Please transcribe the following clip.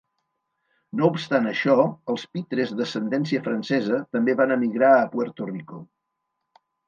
No obstant això, els Pitres d'ascendència francesa també van emigrar a Puerto Rico.